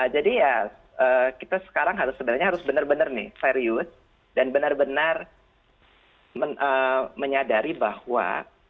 jadi ya kita sekarang harus sebenarnya harus benar benar serius dan benar benar menyadari bahwa